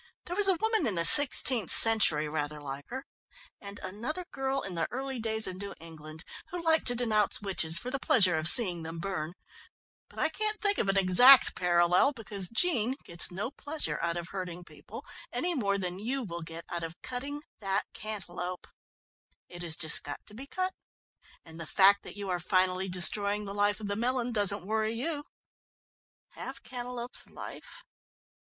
There was a woman in the sixteenth century rather like her, and another girl in the early days of New England, who used to denounce witches for the pleasure of seeing them burn, but I can't think of an exact parallel, because Jean gets no pleasure out of hurting people any more than you will get out of cutting that cantaloup. It has just got to be cut, and the fact that you are finally destroying the life of the melon doesn't worry you." "Have cantaloups life?"